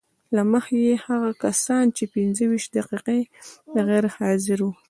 له مخې یې هغه کسان چې پنځه ویشت دقیقې غیر حاضر وو